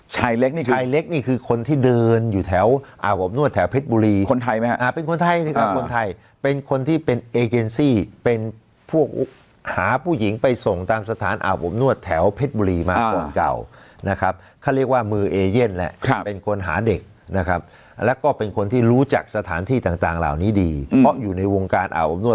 ชายเล็กนี่ชายเล็กนี่คือคนที่เดินอยู่แถวอาบอบนวดแถวเพชรบุรีคนไทยไหมฮะอ่าเป็นคนไทยสิครับคนไทยเป็นคนที่เป็นเอเจนซี่เป็นพวกหาผู้หญิงไปส่งตามสถานอาบอบนวดแถวเพชรบุรีมาก่อนเก่านะครับเขาเรียกว่ามือเอเย่นแหละเป็นคนหาเด็กนะครับแล้วก็เป็นคนที่รู้จักสถานที่ต่างเหล่านี้ดีเพราะอยู่ในวงการอาบอบนวด